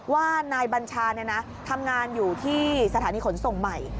ว่านายบัญชาทำงานอยู่ที่สถานีขนส่งใหม่